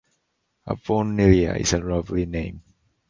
Avonlea is a lovely name.